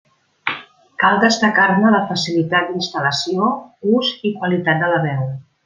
Cal destacar-ne la facilitat d'instal·lació, ús i qualitat de la veu.